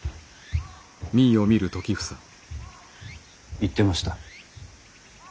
言ってました。